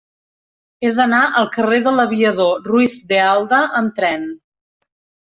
He d'anar al carrer de l'Aviador Ruiz de Alda amb tren.